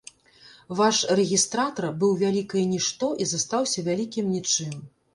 Ваш рэгістратар быў вялікае нішто і застаўся вялікім нічым.